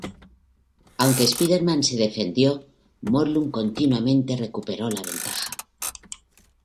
Aunque Spider-Man se defendió, Morlun continuamente recuperó la ventaja.